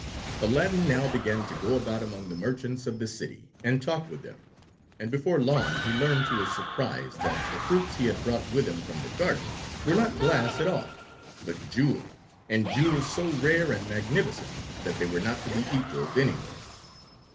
Aladdin now began to go about among the merchants of the city and talk with them, and before long he learned to his surprise that the fruits he had brought with him from the garden were not glass at all, but jewels, and jewels so rare and magnificent that they were not to be equaled anywhere.